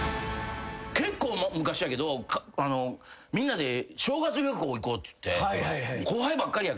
結構昔やけどみんなで正月旅行行こうって言って。